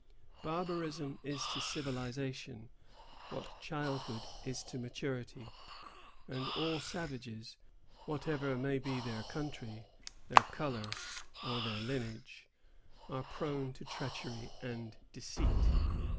Barbarism is to civilization what childhood is to maturity; and all savages, whatever may be their country, their color, or their lineage, are prone to treachery and deceit.